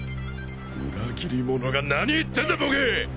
裏切り者がなに言ってんだボケ！